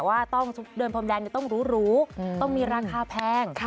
ว่าโดนพรมแดงต้องรูต้องมีราคาแพง